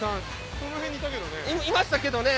その辺にいたけどね。